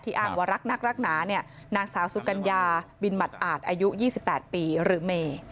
อ้างว่ารักนักรักหนาเนี่ยนางสาวสุกัญญาบินหมัดอาจอายุ๒๘ปีหรือเม